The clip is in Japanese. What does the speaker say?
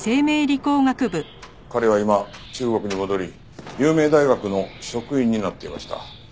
彼は今中国に戻り有名大学の職員になっていました。